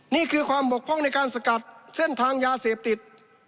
นี่คือความบกพร่องในการสกัดเส้นทางยาเสพติด